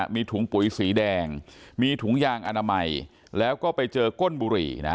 มีถุงปุ๋ยสีแดงมีถุงยางอนามัยแล้วก็ไปเจอก้นบุหรี่นะ